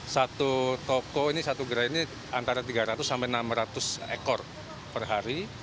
satu toko ini satu gerai ini antara tiga ratus sampai enam ratus ekor per hari